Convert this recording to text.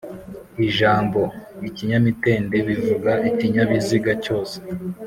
Ijambo "ikinyamitende" bivuga ikinyabiziga cyose